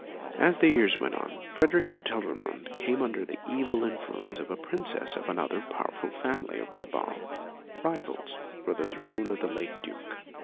As the years went on, Frederick of Telramund came under the evil influence of a princess of another powerful family of Brabant, rivals for the throne with the late Duke.